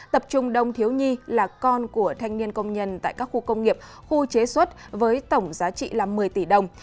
tập trung đông thiếu nhi là con của thanh niên công nhân tại các khu công nghiệp khu chế xuất với tổng giá trị là một mươi tỷ đồng